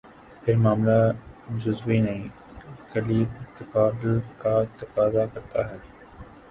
پھر معاملہ جزوی نہیں، کلی تقابل کا تقاضا کرتا ہے۔